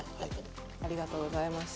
ありがとうございます。